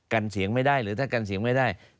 กันเสียงไม่ได้หรือถ้ากันเสียงไม่ได้